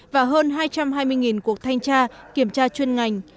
và hơn hai trăm hai mươi cuộc thanh tra kiểm tra chuyên ngành